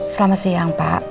selamat siang pak